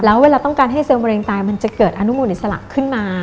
แล้วเวลาต้องการให้เซลลมะเร็งตายมันจะเกิดอนุมูลอิสระขึ้นมา